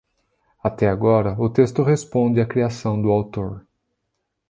Até agora, o texto responde à criação do autor.